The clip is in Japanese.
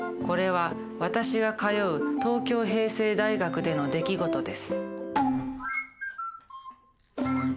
これは私が通う東京平成大学での出来事です。